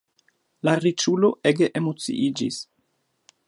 La riĉulo ege emociiĝis.